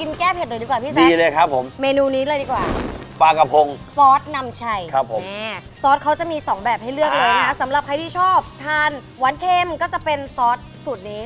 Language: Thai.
ซอสนำชัยซอสเขาจะมี๒แบบให้เลือกเล็งนะสำหรับใครที่ชอบทานหวานเค็มก็จะเป็นซอสสูตรนี้